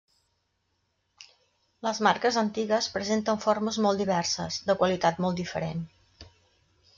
Les marques antigues presenten formes molt diverses, de qualitat molt diferent.